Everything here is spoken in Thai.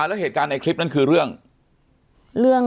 แล้วเหตุการณ์ในคลิปนั้นคือเรื่อง